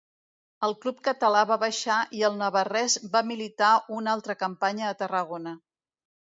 El club català va baixar i el navarrès va militar una altra campanya a Tarragona.